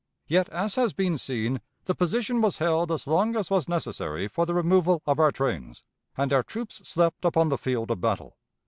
Yet, as has been seen, the position was held as long as was necessary for the removal of our trains, and our troops slept upon the field of battle.